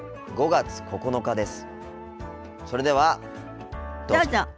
５月９日です。